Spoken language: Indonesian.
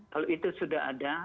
lalu itu sudah ada